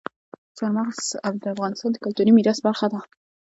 چار مغز د افغانستان د کلتوري میراث برخه ده.